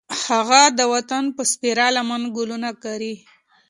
هغه د وطن په سپېره لمن ګلونه کري